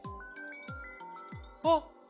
あっ！